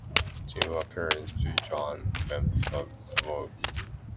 They were parents to John Wemyss of Logie.